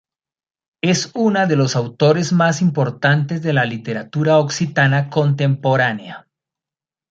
Es una de los autores más importantes de la literatura occitana contemporánea.